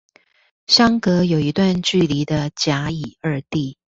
相隔有一段距離的甲乙二地